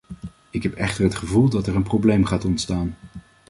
Ik heb echter het gevoel dat er een probleem gaat ontstaan.